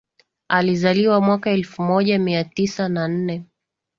Alizaliwa mwaka elfu moja mia tisa na nne